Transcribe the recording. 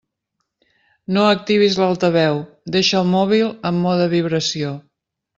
No activis l'altaveu, deixa el mòbil en mode vibració.